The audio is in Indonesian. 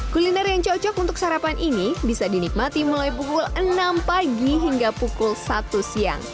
kuliner yang cocok untuk sarapan ini bisa dinikmati mulai pukul enam pagi hingga pukul satu siang